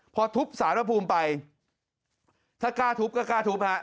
พอทุบสารภูมิไปถ้ากล้าทุบก็กล้าทุบฮะ